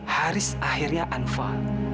haris akhirnya anfal